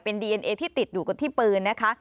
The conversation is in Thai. เป็นดีเอ็นเอที่ติดอยู่กับที่ปืนนะคะ